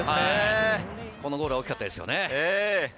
このゴールは大きかったですよね。